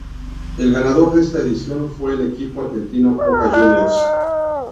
El ganador de esta edición fue el equipo argentino Boca Juniors.